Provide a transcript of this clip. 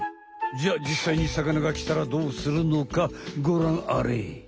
じゃあじっさいにさかながきたらどうするのかごらんあれ。